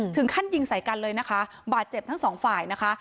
ถึงขั้นยิงใส่กันเลยนะคะบาดเจ็บทั้งสองฝ่ายนะคะ